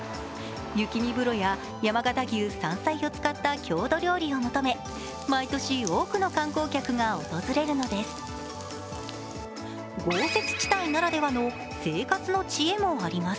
雪見風呂や山形牛、山菜を使った郷土料理を求め、毎年、多くの観光客が訪れるのです。